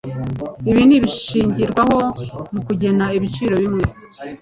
ibi ni ibishingirwaho mu kugena ibiciro bimwe